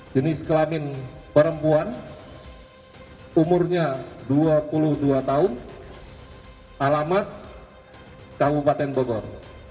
jenis kelamin perempuan umurnya dua puluh dua tahun alamat kabupaten bogor